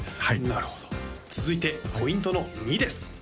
なるほど続いてポイントの２です